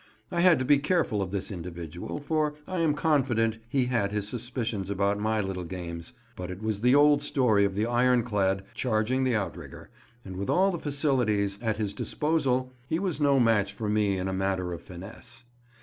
I had to be careful of this individual, for I am confident he had his suspicions about my little games; but it was the old story of the ironclad charging the outrigger, and with all the facilities at his disposal he was no match for me in a matter of finesse.